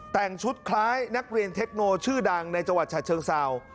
แต่งชุดคล้ายนักเรียนเทคโนชื่อดังในจังหวัดฉะเชิงเศร้า